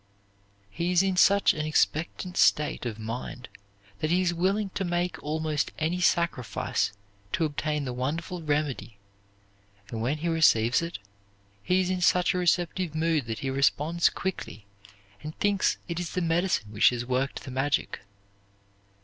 He is in such an expectant state of mind that he is willing to make almost any sacrifice to obtain the wonderful remedy; and when he receives it, he is in such a receptive mood that he responds quickly, and thinks it is the medicine which has worked the magic.